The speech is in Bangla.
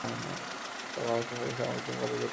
তার খালাতো ভাই শাহ মখদুম কলেজে পড়ে।